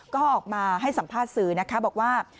ก็ออกมาให้สัมภาษณ์สื่อนะคะบอกว่า